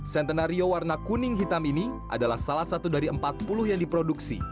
centenario warna kuning hitam ini adalah salah satu dari empat puluh yang diproduksi